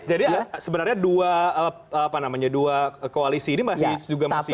jadi sebenarnya dua koalisi ini masih juga masih